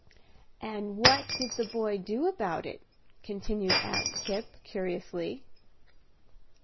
"And what did the boy do about it?" continued Aunt Kipp, curiously.